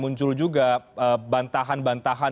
muncul juga bantahan bantahan